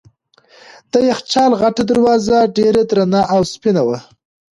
د یخچال غټه دروازه ډېره درنه او سپینه وه.